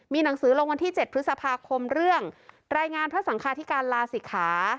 หนังสือลงวันที่๗พฤษภาคมเรื่องรายงานพระสังคาธิการลาศิกขา